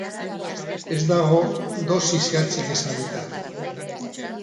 Ez dago dosi zehatzik ezarrita.